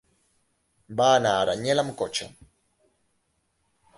Va anar a Aranyel amb cotxe.